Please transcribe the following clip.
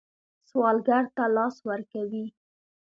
سوالګر ته لاس ورکوئ